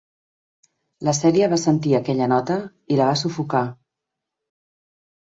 La Celia va sentir aquella nota i la va sufocar.